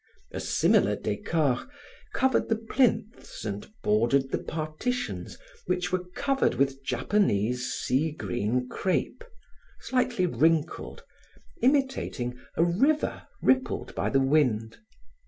A similar decor covered the plinths and bordered the partitions which were covered with Japanese sea green crepe, slightly wrinkled, imitating a river rippled by the wind.